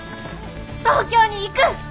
東京に行く！